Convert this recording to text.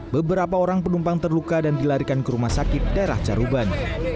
beberapa orang penumpang terluka dan dilarikan ke rumah sakit daerah caruban